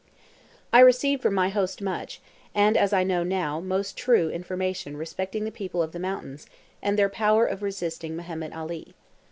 I received from my host much, and (as I now know) most true, information respecting the people of the mountains, and their power of resisting Mehemet Ali.